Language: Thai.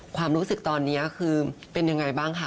ความรู้สึกตอนนี้คือเป็นยังไงบ้างคะ